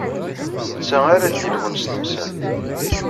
D netta ara d-yelhun s temsalt.